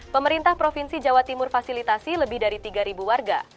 pemerintah provinsi jawa timur fasilitasi lebih dari tiga warga